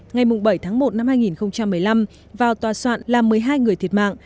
ngày bảy tháng một năm hai nghìn một mươi năm vào tòa soạn làm một mươi hai người thiệt mạng